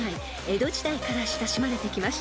江戸時代から親しまれてきました］